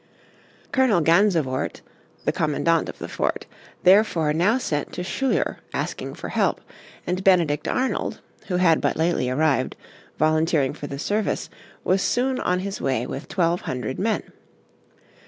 Colonel Gansewoort, the commandant of the fort, therefore now sent to Schuyler asking for help, and Benedict Arnold, who had but lately arrived, volunteering for the service, was soon on his way with twelve hundred men.